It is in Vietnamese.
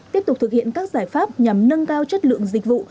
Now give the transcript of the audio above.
tiếp tục thực hiện các giải pháp nhằm nâng cao chất lượng dịch vụ